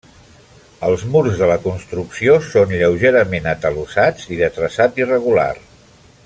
Els murs de la construcció són lleugerament atalussats i de traçat irregular.